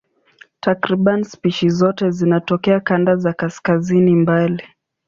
Takriban spishi zote zinatokea kanda za kaskazini mbali.